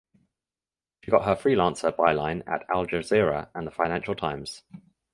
She got her freelancer byline at Al Jazeera and the Financial Times.